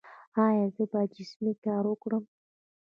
ایا زه باید جسمي کار وکړم؟